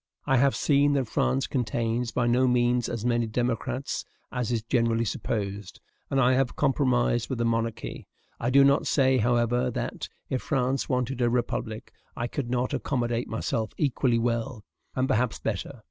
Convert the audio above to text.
I have seen that France contains by no means as many democrats as is generally supposed, and I have compromised with the monarchy. I do not say, however, that, if France wanted a republic, I could not accommodate myself equally well, and perhaps better.